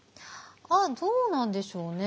ああどうなんでしょうね？